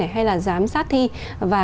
hay là giám sát thi và